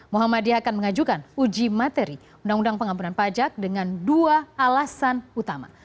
muhammadiyah akan mengajukan uji materi undang undang pengampunan pajak dengan dua alasan utama